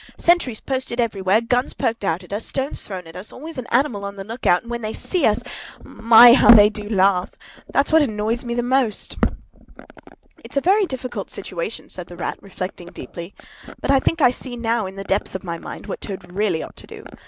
Sentries posted everywhere, guns poked out at us, stones thrown at us; always an animal on the look out, and when they see us, my! how they do laugh! That's what annoys me most!" "It's a very difficult situation," said the Rat, reflecting deeply. "But I think I see now, in the depths of my mind, what Toad really ought to do.